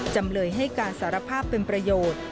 จำเลยให้การสารภาพเป็นประโยชน์